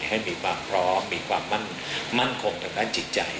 ให้มีความพร้อมมีความมั่นคงทางด้านจิตใจ